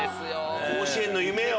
甲子園の夢を！